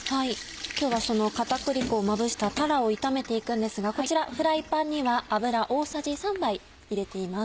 今日はその片栗粉をまぶしたたらを炒めていくんですがこちらフライパンには油大さじ３杯入れています。